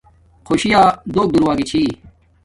خوشییا دوک دور ارا گی چھی